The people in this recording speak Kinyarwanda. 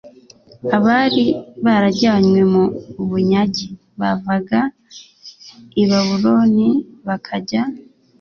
abari barajyanywe mu bunyage bavaga i Babuloni bakajya